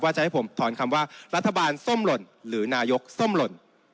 จะให้ผมถอนคำว่ารัฐบาลส้มหล่นหรือนายกส้มหล่น